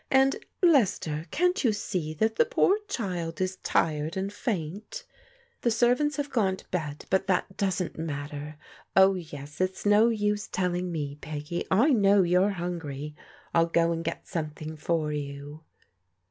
And, Lester, can't you see that the poor chWd is Wtei ^xA iivD^Tl '^Jo^ S28 PBODIGAL DAUGHTEBS servants have gone to bed, but that doesn't matter. Oh, yes, it's no use telling me, Ptggy, I know you're hungry. Ill go and get something for you."